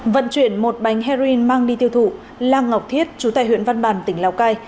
vận chuyển một bánh heroin mang đi tiêu thụ lan ngọc thiết chú tài huyện văn bàn tỉnh lào cai